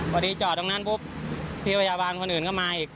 จอดตรงนั้นปุ๊บพี่พยาบาลคนอื่นก็มาอีก